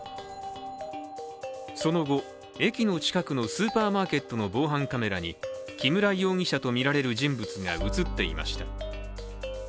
その後、駅の近くのスーパーマーケットの防犯カメラに木村容疑者とみられる人物が映っていました。